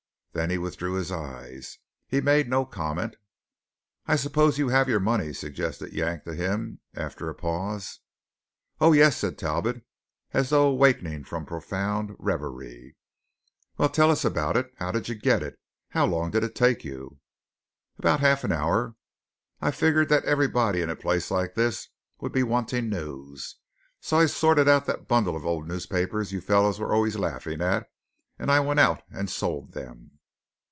Then he withdrew his eyes. He made no comment. "I suppose you have your money," suggested Yank to him, after a pause. "Oh yes," said Talbot as though awaking from profound reverie. "Well, tell us about it. How did you get it? How long did it take you?" "About half an hour. I figured that everybody in a place like this would be wanting news. So I sorted out that bundle of old newspapers you fellows were always laughing at, and I went out and sold them.